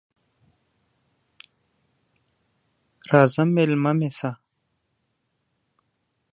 راځه مېلمه مې سه!